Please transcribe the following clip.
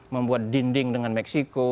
membuat dinding dengan meksiko